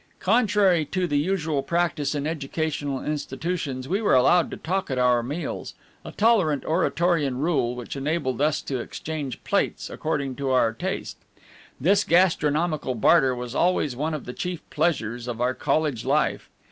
Contrary to the usual practice in educational institutions, we were allowed to talk at our meals, a tolerant Oratorian rule which enabled us to exchange plates according to our taste. This gastronomical barter was always one of the chief pleasures of our college life.